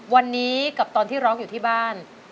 วันนี้กับตอนที่ร้องอยู่ที่บ้าน